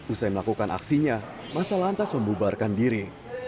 usai melakukan aksinya masa lantas membubarkan diri